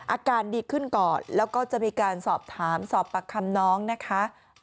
อาการดีขึ้นก่อนแล้วก็จะมีการสอบถามสอบปากคำน้องนะคะ